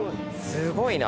すごいな。